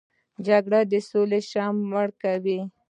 جګړه د سولې شمعه مړه کوي